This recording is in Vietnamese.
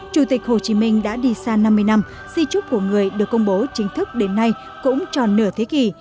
chủ tịch hồ chí minh đã đi xa năm mươi năm di trúc của người được công bố chính thức đến nay cũng tròn nửa thế kỷ